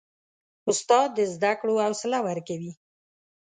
استاد د زده کړو حوصله ورکوي.